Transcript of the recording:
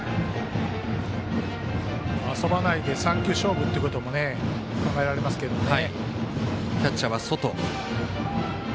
遊ばないで、３球勝負ってことも考えられますけれどもね。